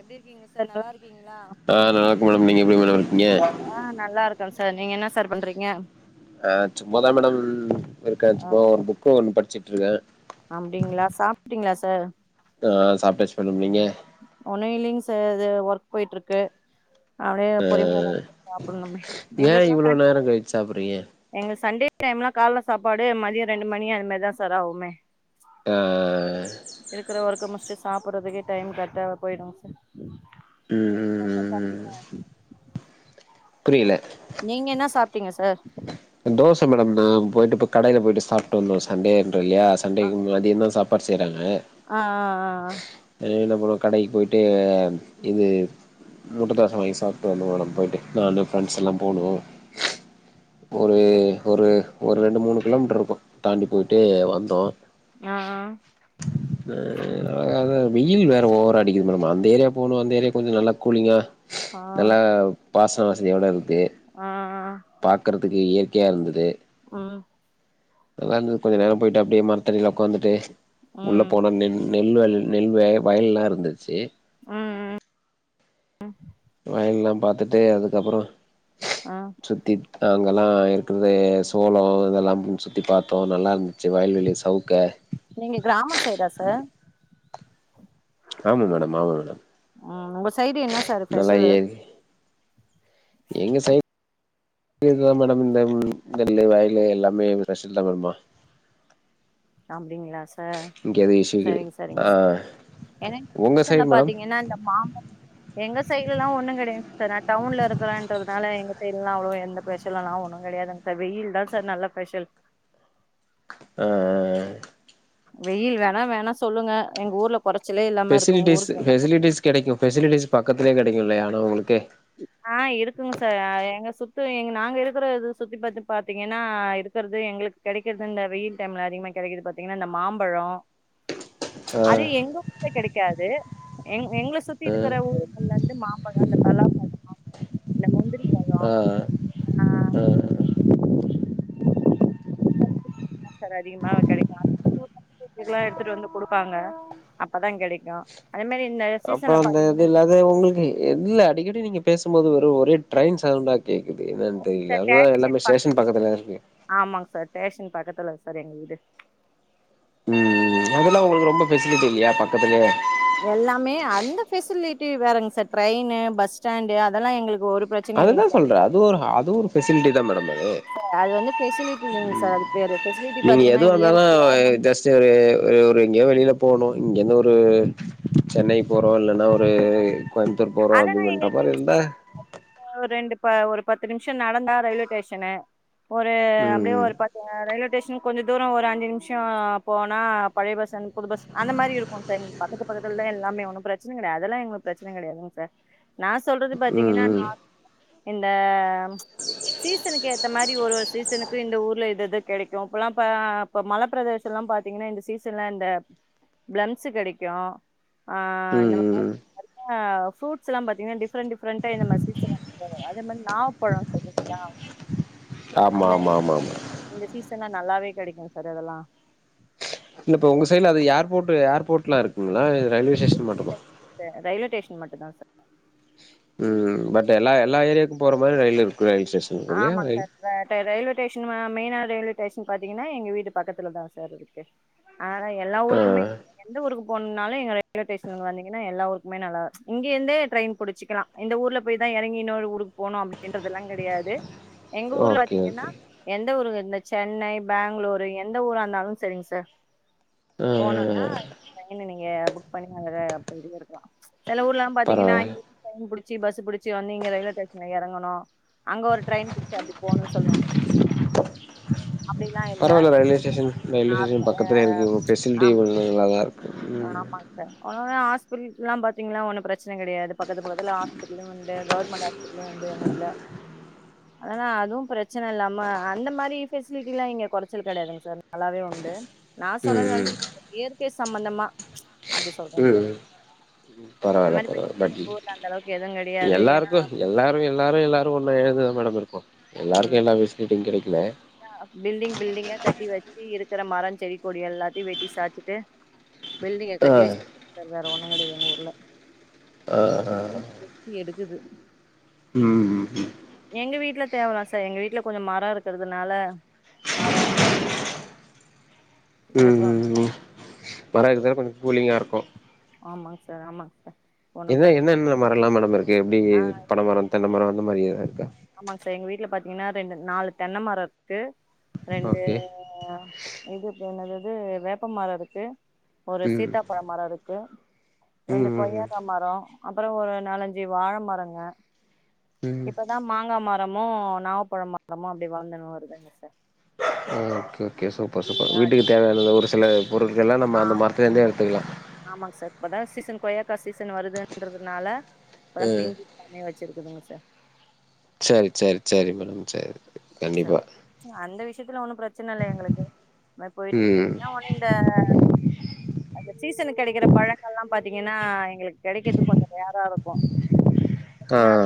எப்டி இர்க்கீங்க சார் நல்லா இ ஆ நல்லாருக்கே மேடம் நீங்க எப்டி மேடம் இருக்கீங்க ம் சார் நீங்க என்னா சார் பண்றீங்க ஆ சும்மாதா மேடம் இருக்கே சும்மா ஒன் புக்க ஒன்னு படிச்சு ட்டுருக்கே அப்டிங்ளா சாப்ட்டீங்ளா சார் ஆ சாப்ட்டாச்சு மேடம் நீங்க ஒண்ணு இல்லிங்க் சார் து ஒர்க் போயிட்டுருக்கு அப்டே பொறுமியாதா சாப்புட்னு நம்மே ஏ எங்குளுக்ளா இவ்ளோ தண் நேரோ கழிச்சு சாப்புட்றீங்க எங்க சண்டே டைம்லா கால்ல சாப்பாடு மதிய ரெண்டு மணி அந் மாரிதா சார் ஆவுமே ஆ கம் முஸ்டு சாப்புறதுக்கே டைம் கர்ட்டா போயிடோ சார் ம் புரியில்ல நீங்க என்னா சாப்ட்டீங்க சார் தோச மேடம் நா போயிட்டு இப்ப கடைல போயிட்டு சாப்ட்டு வந்தோ சண்டே ரு இல்லியா சண்டேக்கு மதியந்தா சாப் பட் செய்றாங்க ஆ கடையி போயிட்டு யாம் இது முட்ட தோச வாங்கி சாப்ட்டு வந்தோ மேடம் போயிட்டு நானு ஃப்ரெண்ட்ஸ் எல்லா போனோ ஒரு ஒரு ஒரு ரெண்டு மூணு கிலோமீட்டர் இருக்கோ தாண்டி போயிட்டு வந்தோ அ ஆ ஆ அத வெயில் வேற ஓவரா அடிக்குது மேடம் அந்த ஏரியா போனோ அந்த ஏரியா கொஞ்சோ நல்லா கூலிங்கா ஆ நல்லா பாசம் வஸ் எவ்ளோ இருக்கு ஆ ஆ பாக்குறதுக்கு இயற்கையா இருந்துது ம் அதல்லா இருந்துது கொஞ்ச நேரம் போயிட்டு அப்படியே மரத்தடியில உடக்காந்துட்டு உள்ள ம் போனா நின் நெல் வல் நெல் வெ வயல்லா இருந்துச்சு ம் ம் ம் வயல் லா பாத்துட்டு அதுக்கப்றோ ஆ சுத்தி அங்கெல்லா இருக்றது சோளோ இதெல்லா பு சுத்தி பாத்தோ நல்லா இருந்துச்சி வயல்வெளி சவுக்க நீங்க கிராம சைடா சார் ஆமா மேடம் ஆமா மேடம் ம் உங்க சைடு என்ன சார் நல்லா ஸ்பெஷலு இயற் எங்க சைடு இதுதா மேடம் இந்த நெல்லு வயலு எல்லாமே பெஸல்தா மேமா அப்டிங்களா ச ஆ இஷ்யூ கெ சரிங்க சரிங்க ஆ ஏங்க உங்க சீசன்ல சைடு மேடம் பாத்தீங்கன்னா இந்த மாம் எங்க சைட்ல லா ஒண்ணு கெடையா சார் நா டவுன்ல இருக்றேன்றதுனால எங்க சைட்ல லா அவ்ளோ எந்த பெஷ்ஷல் எல்லா ஒண்ணு கெடையாதுங்க சார் வெயில் தா சார் நல்ல பெஷ்ஷல் ஆஹ் ஆஹ் ஆஹ் வெயில் வேணா வேணா சொல்லுங்க எங்க ஊர்ல கொறைச்சலே இல்லாம இருக்கு உங்க பெசிலிட்டிஸ் ஊருக்கு வேணா பெசிலிட்டிஸ் கெடைக்கு பெசிலிட்டிஸ் பா பக்கதுலே கெடைக்கு இல்லையாக ஒங்ளுக்கு ஆ இருக்குங் சார் எங்க சுத்து எங் நாங்க இருக்ற சுத்தி பத்தி பாத்தீங்ன்னா இருக்றது எங்களுக் கெடைக்றது இந்த வெயில் டைம்ல அதிகமா கெடைக்றது பாத்தீங்ன்னா இந்த மாம்பழோ ஆ அது எங்கு கெடைக்காது எ எங்ளுக் சுத்தி ஆ இருக்கற ஊ அதுலந்து மாம்பழோ இந்த பெலா ந முந்தரி ஆ ஆ ஆ சார் அதிகம கெடைக்கொ [unintelligible] ரெகுலர எடுத்துட்டு வந்து குடுப்பாங்க அப்பதா கெடைக்கொ அதே மாரி இந்த அப்றோ சீசன்ல அந்த இது பாத்தீங்கன்னா இல்ல அது உங்களுக்கு இல்ல அடிக்கடி நீங்க பேசும்போது வ ப்றோ ஒரே ட்ரைன் சவுண்டா கேக்குது என்னன் தெர்ல நம்ப ஷேஷன் பக்கத்துல இருக்கு த்ல்ல சார் எங்க வீடு ம் அதெல்லா உங்ளுக்கு ரொம்ப ஃபெசிலிட்டி இல்லையா பக்கத்துலயே எல்லாமே அந்த ஃபெசிலிட்டி வேறங் சார் ட்ரைன்னு பஸ் ஸ்டாண்டு அதெல்லா எங்களுக் அததா சொல்ற அது ஒரு அது ஒரு ஃபெசிலிட்டி தா மேடம் அது [inaudible] சார் அது வந்து ஃபெசிலிட்டி இல்லைங்க சார் அது பேரு ஃபெசிலிட்டி நீங்க எது பாத்தீங்கன்னா வந்தலு இயற்கையா அ ஜஸ்ட் ஒரு ஒரு எங்கேயு வெளில போணு இங்கேந்து ஒரு சென்னை போறோ இல்லன்னா ஒரு கோயம்தூர் போறோ [unintelligible] அந்த மாரி இருந்த ஒ ரெண்டு ப்ப ஒரு பத்து நிம்ஷோ நடந்தா ரயில்வே டேஷ்ஷனு ஒரு அப்டியே ம் ஒரு பத்த ரயிலு ஸே கொஞ்சம் தூரம் ஒரு அஞ்சு நிமிஷம் போனா பழைய பஸ் அனு பொதுபஸ் அந்த மாதிரி இருக்கும் பிரெண்ட் பக்கத்து பக்கத்துலத எல்லாமே ஒண்ணு பிரச்சன கிடையாது அதுல்லாம் எங்களுக்கு பிரச்சன கிடையாதுங்க சார் நான் சொல்றது ம் பாத்தீங்கன்னா ம் ம் நான் இந்த சீசனுக்கு ஏத்த மாதிரி ஒரு ஒரு சீசனுக்கு இ இந்த ஊர்ல இது இது கிடைக்கும் இப்பல்லாம் இ இப்ப மழப்ப பிரதேசம் எல்லாம் பாார்த்தீங்கன்னா இந்த சீசன்ல இந்த பிளம்ஸ்ு கிடைக்கும் ஆ அந்த ம் மாதிரி ம் ப்ரூட்ஸ் எல்லாம் பாத்தீங்கன்னா டிஃப்ரெண்ட் டிஃரெண்டா இந்த மாதிர சீஸ் எல்லாம் அதே மாதிரி நாவப்பழம் சொல்லறீங்களா ஆமா அந்த ஆமா ஆமா ஆமா இந்த சீசன்ா நல்லாவே கிடைக்கும் சார் அதெல்லா இல்ல இப்ப உங்க சைடுல அது ஏர்போர்ட் ஏர்போர்ட் எலாம் இருக்குங்களா இ ரயில்வேஸ்டேஷன் மட்டுமா ச ரயில்வே ஸ்டேஷன் மட்டுும் தான் சார் ம் பட் எல்லா எல்லா ஏரியாக்கும் போற மாரி ரயில் இருக்கும் ஆமாங்க சார் ரயில்வே ஸ்டேஷன் மெயின்னா ரயில்வே ஸ்டேஷன் பாத்தீங்கன்னா எங்க வீட்டு பக்கத்துல தான் சார் இருக்கு ஆ எல்லா ஆ ஊருக்குமே எந்த ஊருக்கு போ ால ரயில்வே ங்க எல்லாஊருக்குமேல்ல இங்கிருேெச்சலாம் ஊர்ல போயான் இறங்க ஊக்கு போனும் அப்படி அதல்லா கிடையாது எங்க ஊர்ல ஓகே பாத்தீங்கன்னா ஓகே எந்த ஊருக்கு இந்த சென்னை பெங்ளூரு எந்த ஊரா இருந்தாலும் சரிங்க சார் ஆ போணும்னா ட்ரெயின்னு நீங்க புக் பண்ணி அழ அப்படிே இருக்கலா சில ஊர்லா பாத்தீங்கன்னா [inaudible] பரவால்ல புடிச்சி பஸ் ப புடிச்ச வந்து நீங்க ரயில்வே ஸ்டேஷன்ல எறங்கனு ட்ரெயின் புடிச்சி அப்படி போணும் சொல்லுவாங்க அப்படிலாம் இல்ல பரவால்ல ரயில்வே ஆமா ஸ்டேஷன் ரயில்வே ஸ்டேஷன் பக்கத்துலே இருக்கீங்க ஃபெசிலிட்டி ச நல்லாதா இருக்கு ம் ஆமாங்க சார் ஆ ஹாஸ்பிடல்ல்லாம் பாத்தீகின்னா ஒன்னு பிரச்சனை கடையாது பக்கத் பக்கதல ஹாஸ்பிடல் உண்டு கவர்மெண்ட் ஹாஸ்பிட்டலும் உண்டு எங்களுதுல அதனனா அதுவும் பிரச்சனை இல்லாம அந்த மாதிரி பெஃபசிலிட்டி எல்லாம் இங்க குறைச்சல் கிடையாதுங்க சார் நல்லாவே உண்டு நான் சொன்னது ம் வந்து பே சம்மந்தமா ம் இந்த பரவாயில்ல மாரி பரவாயில்ல பிரச்சன பட் எங்க ஊர்ல அந்த அளவுக்கு எதுவு கெடையாது ஏன்னா எல்லாருக்கு எல்லாரு எல்லாரு எல்லாரு ஒன்னு [unintelligible] ம் பில்டிங் பில்டிங்கா கட்டி வெச் சு இருக்கிற மரோ செடி கொடி எல்லாத்தையு வெட்டி சாச்சுட்டு பில்டிங்க ஆ கட்டி வெச்சுட் வேரோ ஒன்னு எங்க ஊர்ல அ அ பில்டிங் கொத்தி எடுக்குது ம்‌ ம் எங்க வீட்ல தேவலா சார் எங்க வீட்ல கொஞ்சோ மரோ இருக்கிறதுனால மரோ ம் வேப்ப ம் மரோ ம் மரோ இருக்குறதால கொஞ்சோ கூலிங்கா இருக்கு ஆமாங் சார் ஆமாங் சார் ஒன்னும் இதுல பிரச்சன என்னென்ன மரோலா மேடம் இருக்கு இங்கே ஆ பணமரம் தென்னமரம் அந்த மாரி எது இருக்கா ஆமாங்க சார் எங்க வீட்ல பாத்தீங்கன்னா ரெண்டு நாலு தென்ன மரோ இருக்கு ரெண்டு ஓகே இதுப்பு என்னது வந்து வேப்பமரோ இருக்கு ஒரு ம் சீத்தாப்பழ மரோ இருக்கு ம் ரெண்டு ம் கொய்யாகா மரோ அப்றோ ஒரு நாலஞ்சு வாழ மரங்க ம் ம் இப்பதா மாங்கா மரோ இன்னமு நாவப்ழோ மரமு அப்டி வழந்துனு வருதுங்க sir okay okay super super வீட்டுக்கு தேவயான ஒரு சில பொருட்கள்லா நம்ம அந்த ஆமாங் மரத்துலேருந்தே சார் எடுத்துக்கலா ஆமாங் சார் இப்பதா சீசன் கொய்யா கா சீசன் வருதுன்றதுனால இப்பதா ம் பிஞ்சி காயே வெச்சிரு சொல்லுங்க சார் சரி சரி சரி மேடம் சரி கண்டிப்பா அந்த விஷயத்துல ஒண்ணு பிரச்சன இல்ல எங்குளுக்கு அப்டியே போயிட்டு இருக்கு ம் என்ன ஒண்ணு இந்த அந்த சீசனுக்கு கெடைக்கிற பழங்கள்லாம் பாத்தீங்கன்னா எங்குளுக் கெடைக்குறதுக்கு கொஞ்சோ நேரோ ஆகு போ ஆ என்னாலு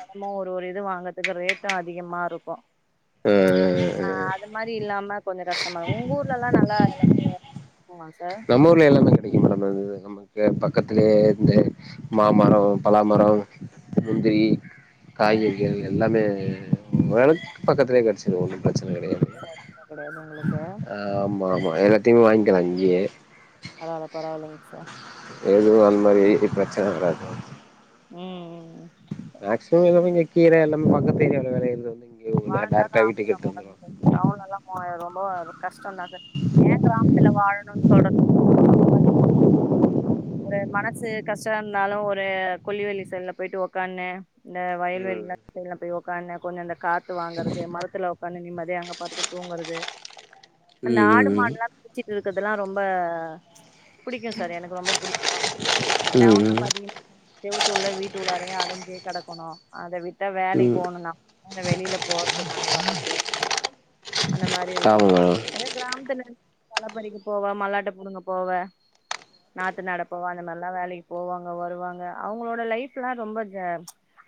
தினமும் ஓட் தோரு இது வாங்றதுக்கு ரேட்டு அதிகமா இருக்கூ உம் உம் இல்லாம உம் கொஞ்சோ கஷ்டமாவு உங்க ஊர்லலா நல்லா இருக்குமா சார் நம்ம ஊர்ல எல்லாமே கிடைக்கு மேடம் அது நம்ப கே பக்கத்துலேயே இந்த மாமரோ பலாமரோ முந்திரி ம் காய்கறிகள் எல்லாமே வளக்கு பக்கத்துலே கிடச்சுடு ஒன்னு பிரச் [inaudible] கடையாது உங்களுக்கு எல்லாத்தையு வாய்ங்கலா அங்கியே பரவால பரவாலிங் சார் எது அந்த மாரி இப்ரச்சன வராது உம் மேக்சிமம் எல்லாமே இங்க கீர எல்லாமே பக்கத்து ஏரியால வேற எந்துள்ளைங் [unintelligible] டவுன்லளா மூவாயிரூவா மூவானரூ கஷ்டோ தா சார் ஏ கிராமத்துல வாழணுன் சொல்ற ஒரு மனசு கஷ்டோருந்தாலு ஒரு கொல்லிவலி சைடுல போயிட்டு உக்கான்னு இந்த வயல்வெளி ம் சைடுல போய் உக்கான்னு கொஞ்சோ இந்த காத் து வாங்கறது மரத்துல உக்கான்னு நிம்மதிய அங்க பாடுது தூங்குறது அந்த ஆடு ம் மாடுலா புச்சி இருக்ரதெல்லா ரொம்ப புடிக்கு சார் எனக்கு ரொம்ப புடிக்கு இந்த ம் டவுன்ல ம் பாத்திகனா செவுத்து உள்ள வீட்டு உள்ளாரேயு அடைஞ்சே கிடக்கனு அத விட்ட ம் வேலை ம் போணோன அந்த வெளில போர்து நாங்க வர்றது அந்த மாரி இருக்கூ ஆமா மேடம் அதே கிராம்துல கால பறிக போவ மல்லாட்டு புடுங்க போவ நாத்து நாட போவ அந்த மாரிலா வேலைக்கு போவாங்க வருவாங்க அவங்களோட லைஃப்லா ரொம்ப ஜா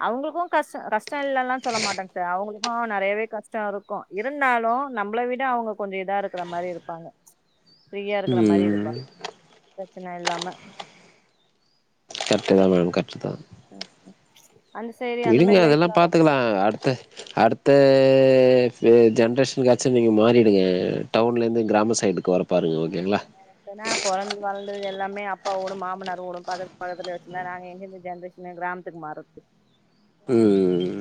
அவங்களுக்கு கஷ்டோ கஷ்டோ இல்லல்லா சொல்ல மாட்டாங்க சார் அவங்களு ஆ நெறையவே கஷ்டோ இருக்கோ இருந்தாலு நம்மள விட அவங்க கொஞ்சோ இதா இருக்கற மாரி இருப்பாங்க ஃப்ரீயா இருக்கிற மாரி இருப்பா ம் பிரச்சன இல்லாம கரெட்டு தா மேம் கரெட்டு தா உம் உம் விடுங்க அதெல்லா பாத்துக்கலா அடுத்த அடுத் த எ ஜென்ரஷனுக்காச்சு நீங்கள் மாறிடுங்க டவுன்லேருந்து கிராம சைடுக்கு வர பாருங்க ஓகேங்களா தனா போறந்தது வளந்தது எல்லாமே அப்பா ஓடும் மாமனார் ஓடும் பக்கத்து பக்கத்துல வச்சிருந்தா நாங்க எங்கெந்த ஜென்ரேஷன் கிராமத்துக்கு மாறது உம்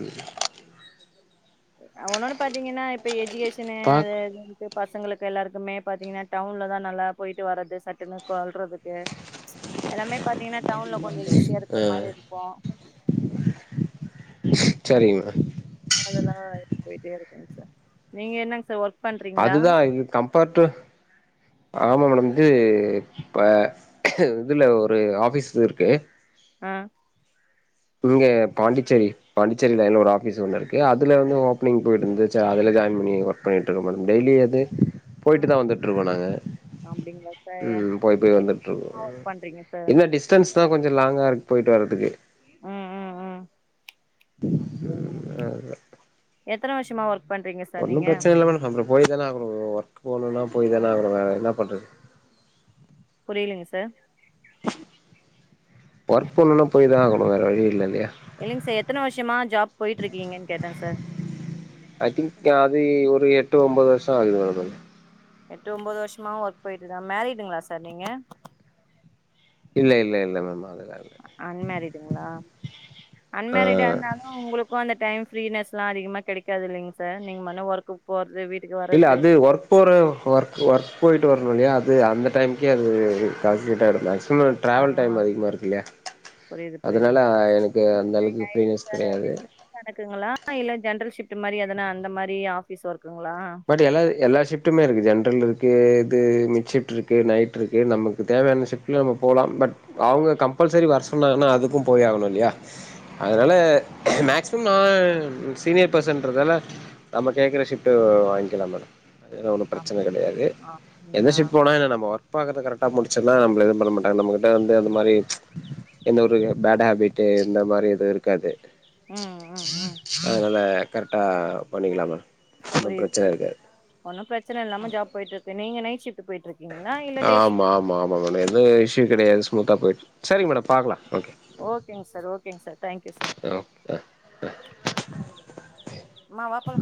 அ ஒனொன்னு பாத்தீங்கன்னா இப்ப எஜிகேஷ் பிரச்சன அது பாக் [unintelligible] பசங்களுக்கு எல்லாருக்குமே பாத்தீங்கன்னா டவுன்ல தா நல்லா போயிட்டு வர்றது சட்டுன்னு கொல்றதுக்கு எல்லாமே பாத்தீங்கன்னா டவுன்ல கொஞ்சோ ஈஸியா இருக்குற மாரி இருக்கோ ச்சரிங்மா அதெல்லாம் பொயிட்டே இருக்குங் சார் நீங்க என்னங் சார் ஒர்க் பண்றீங்களா அதுதான் இது கம்பர்ட்டு ஆமா மேடம் இது இப்ப ஹ் இதுல ஒரு ஆபிஸ் இருக்கு அ இங்க பாண்டிச்சேரி பாண்டிச்சேரி லயின்ல ஒரு ஆபிஸ் ஒண்ணு இருக்கு அதுல வந்து ஓப்னிங் போயிட்டு இருந்துச்சு அதுல ஜாயின் பண்ணி ஒர்க் பண்ணிட் [unintelligible] டெய்லி வந்து போய்டு ம் தான் வந்துட்ருக்கோம் நாங்க அப்டிங்களா சார் ம் [unintelligible] போய்ட் வந்துட்ருக்கோம் என்ன ஒர்க் பண்றீங்க சார் என்ன டிஸ்டன்ஸ் தான் கொஞ் லாங்கா இருக்கு பொயிட்டு வறத்துக்கு ம் ம் ம் [unintelligible] அதான் எத்தன வர்ஷமா ஒர்க்ப் ஒன்னும் பிரச்சன இல்ல மேடம் அப்றம் போய் தான ஆகனும் வ்வோ போனும்னா போய் தானே ஆவ்னும் வேர என்னாப் [unintelligible] புரியலிங் சார் ஒர்க் பண்ணுன்னா போய் தான் ஆகணும் வேற வழி இல்லல்லியா இல்லைங் சார் எத்தன வர்ஷமா ஜாப் பொயிட் இருக்கீங்கன் கேட்டேன் சார் போய் ஒரு எட்டு ஒம்பது வர்ஷம் ஆகுது மேடம் நான் எட்டு ஒம்பது வர்ஷ்மா ஒர்க் போயிட்டு தான் மேரிடுங்ளா சார் நீங்க இல்ல இல்ல இல்ல மேம் அது அன்மேரிடுங்களா அன்மேரிடா ஆ இருந்தாலும் உங்ளுக்கும் அந்த டய் டைம் ஃரீனஸ்லாம் அதிக்மா கெடைக்காது இல்லைங் சார் நீங்க மன்ன ஒர்க் போறது வீட்டு இல்ல அது ஒர்க் போற ஒர்க் ஒர்க் பொயிட்டு வரணும் இல்லையா அது அந்த டைம்க்கே அது [unintelligible] காசுக்கிட்டாந்த [unintelligible] ஆ ட்ராவல் டைம் அதிகமா இருக்கு இல்லையா புரியுது புரியுதுங்க அதனால எனக்கு அந்தளவுக்கு ஃப்ரீனஸ் கிடையாது ஆ இல்ல ஜென்ரல் ஸிப்ட் மாதிரி எதனா அந்த மாதிரி ஆபிஸ் ஒர்க் பட் எல்லா எல்லா ஷிப்டுமே இருக்கு ஜென்ரல் இருக்கே [unintelligible] நைட் ருக்கு நம்லுக்கு தேவையான ஷிஃப்ட் ல போலாம் பட் அவுங்க கம்பல்சரி வர்சொன்னாங்கனா அதுக்கு போயாகனும் இல்யா அதனால மேக்ஸ் [unintelligible] நான் சீனியர் பர்சன் கேக்ரதால நம்ம கேக்குற ஸிஃப்டு வாங் [unintelligible] அது ஒன்னும் பிரச்சன அப்டி கிடையாது எந்த அப்டிங்களா ஷிப்ட் போனா என்ன நம்ம ஒர்க் பாக்குற கரெக்டா முடிச்சுன்னா நம்மள எதும் பண்ண மாட்டாங்க நம்மகிட்ட வந்து அந்த மாதிரி எந்த ஒரு பேட் ஹேபிட்டு இந்த மாதிரி எதும் இருக்காது ம் ம் ம் கரெக்ட்டா பண்ணிக்லா மேம் ஒன்னு புரியிது பிரச்சன புரியுதுங்க இருக்காது ஒன்னு பிரச்சன இல்லாம ஜாப் போய்ட்டுருக்கு நீங்க நைட் ஷிஃப் ஆமா ஆமா ஆமா மேடம் எது இஷ்யூ கெடையாது ஸ்மூத்தா போய்ட்ருக் சரிங்க மேடம் பாக்கலா ஓகேங் சார் ஓகேங் சார் தேங்க்யூ சார் ஆ, ஆ. மா வா போலா